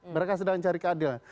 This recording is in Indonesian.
mereka sedang mencari keadilan